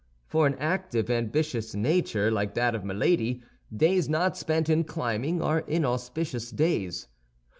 For an active, ambitious nature, like that of Milady, days not spent in climbing are inauspicious days.